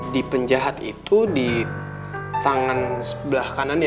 di penjahat itu di tangan sebelah kanannya